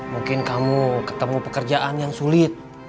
mungkin kamu ketemu pekerjaan yang sulit